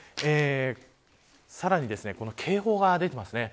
さらに、警報が出てますね。